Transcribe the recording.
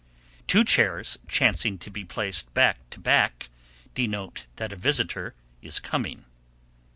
Two chairs chancing to be placed back to back denote that a visitor is coming.